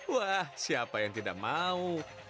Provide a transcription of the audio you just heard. wah siapa yang tidak mau